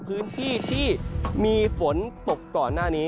พื้นที่ที่มีฝนตกก่อนหน้านี้